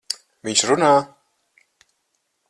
Viņš runā!